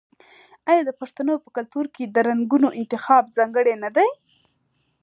آیا د پښتنو په کلتور کې د رنګونو انتخاب ځانګړی نه دی؟